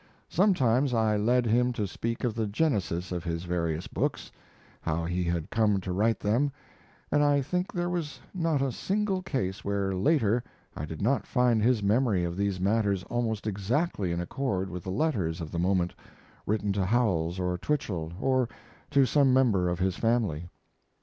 Sometimes I led him to speak of the genesis of his various books, how he had come to write them, and I think there was not a single case where later I did not find his memory of these matters almost exactly in accord with the letters of the moment, written to Howells or Twichell, or to some member of his family.